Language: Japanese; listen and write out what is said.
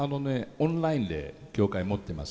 オンラインで教会持っています。